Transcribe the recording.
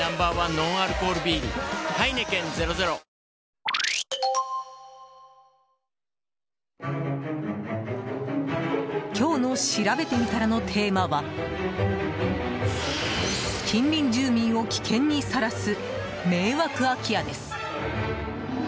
帰れば「金麦」今日のしらべてみたらのテーマは近隣住民を危険にさらす迷惑空き家です。